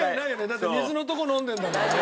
だって水のとこ飲んでるんだもんね。